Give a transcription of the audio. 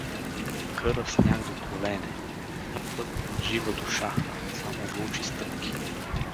В къра сняг до колене, ни път, ни жива душа — само вълчи стъпки.